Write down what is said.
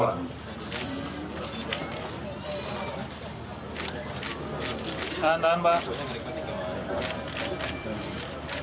tahan tahan pak